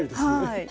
はい。